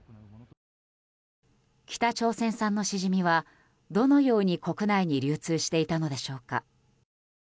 北朝鮮産のシジミはどのように国内に流通していたのでしょうか。